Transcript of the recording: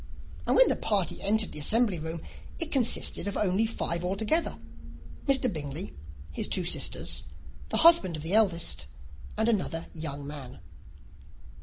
And when the party entered the assembly room, it consisted of only five altogether: Mr. Bingley, his two sisters, the husband of the eldest, and another young man.